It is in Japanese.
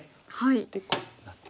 でこうなって。